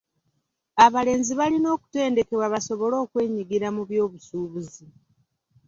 Abalenzi balina okutendekebwa basobole okwenyigira mu by'obusuubuzi.